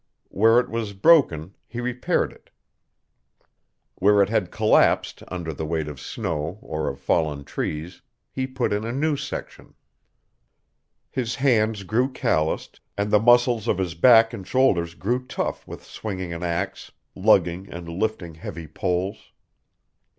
Where it was broken he repaired it. Where it had collapsed under the weight of snow or of fallen trees he put in a new section. His hands grew calloused and the muscles of his back and shoulders grew tough with swinging an axe, lugging and lifting heavy poles.